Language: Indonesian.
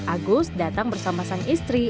agus datang bersama sang istri